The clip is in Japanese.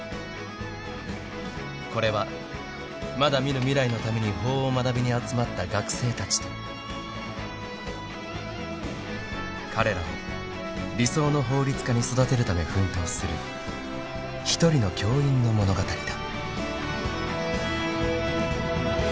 ［これはまだ見ぬ未来のために法を学びに集まった学生たちと彼らを理想の法律家に育てるため奮闘する一人の教員の物語だ］